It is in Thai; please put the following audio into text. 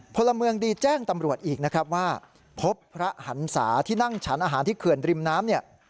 พลเมืองดีแจ้งตำรวจอีกนะครับว่าพบพระหันศาที่นั่งฉันอาหารที่เขื่อนริมน้ำเนี่ย